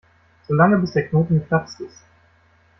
So lange, bis der Knoten geplatzt ist.